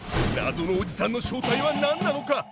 謎のおじさんの正体は何なのか！？